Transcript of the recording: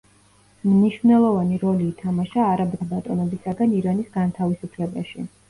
მნიშვნელოვანი როლი ითამაშა არაბთა ბატონობისაგან ირანის განთავისუფლებაში.